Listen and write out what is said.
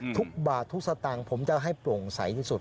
ทุกบาททุกสตางค์ผมจะให้โปร่งใสที่สุด